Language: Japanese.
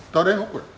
これ。